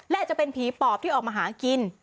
และอาจจะเป็นผีปอบที่ออกมาหากิน